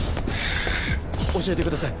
教えてください。